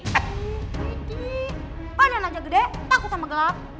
kiki pandan aja gede takut sama gelap